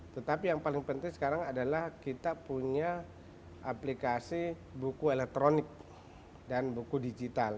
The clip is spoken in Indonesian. tetapi yang paling penting sekarang adalah kita punya aplikasi buku elektronik dan buku digital